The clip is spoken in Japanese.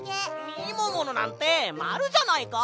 みもものなんてまるじゃないか！